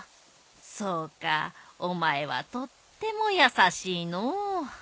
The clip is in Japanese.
そうかおまえはとってもやさしいのう。